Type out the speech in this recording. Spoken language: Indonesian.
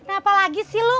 he kenapa lagi sih lu